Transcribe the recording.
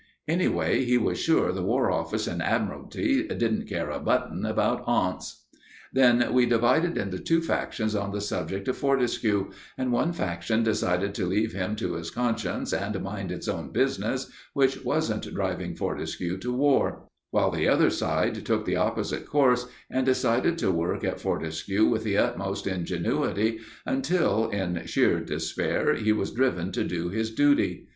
Anyway, he was sure the War Office and Admiralty didn't care a button about aunts. Then we divided into two factions on the subject of Fortescue, and one faction decided to leave him to his conscience and mind its own business, which wasn't driving Fortescue to war; while the other side took the opposite course, and decided to work at Fortescue with the utmost ingenuity until in sheer despair he was driven to do his duty.